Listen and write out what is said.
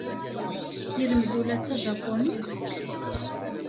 Yelmed ula d tajapunit?